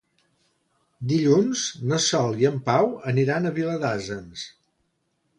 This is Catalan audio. Dilluns na Sol i en Pau aniran a Viladasens.